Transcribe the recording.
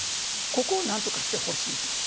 ここを何とかしてほしいと。